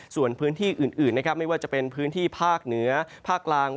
ส่วนพื้นที่อื่นนะครับไม่ว่าจะเป็นพื้นที่ภาคเหนือภาคกลาง